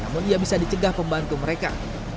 namun ia bisa dicegah pembantu mereka